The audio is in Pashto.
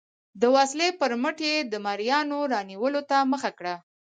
د وسلې پر مټ یې د مریانو رانیولو ته مخه کړه.